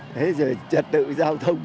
thế giờ trật tự giao thông